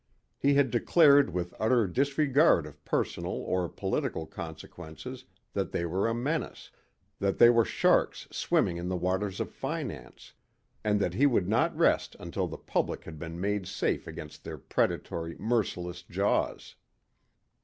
He had declared with utter disregard of personal or political consequences that they were a menace that they were sharks swimming in the waters of finance and that he would not rest until the public had been made safe against their predatory, merciless jaws.